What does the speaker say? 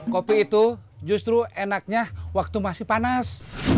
kopi itu justru enaknya waktu masih panas